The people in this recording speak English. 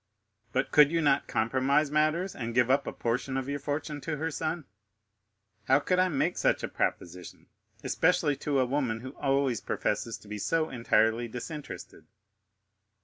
"But could you not compromise matters, and give up a portion of your fortune to her son?" "How could I make such a proposition, especially to a woman who always professes to be so entirely disinterested?"